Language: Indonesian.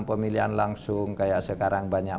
pemilihan langsung kayak sekarang banyak